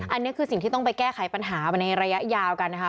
อันนี้คือสิ่งที่ต้องไปแก้ไขปัญหามาในระยะยาวกันนะคะ